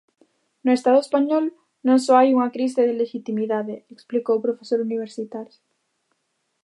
"No Estado Español non só hai unha crise de lexitimidade", explicou o profesor universitario.